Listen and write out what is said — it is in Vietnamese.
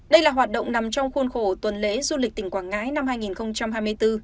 đây là hoạt động nằm trong khuôn khổ tuần lễ du lịch tỉnh quảng ngãi năm hai nghìn hai mươi bốn